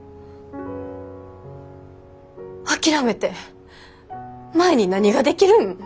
諦めて舞に何ができるん？